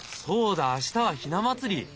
そうだ明日はひな祭り！